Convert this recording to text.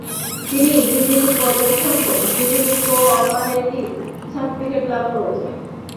তিনি জুবিলী পদকসহ jubilee cooperative certificate লাভ করেন।